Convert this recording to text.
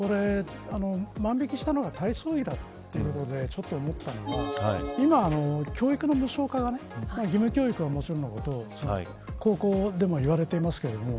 万引きしたのは体操着だということで思ったのが今、教育の無償化が義務教育はもちろんのこと高校でも言われてますけども。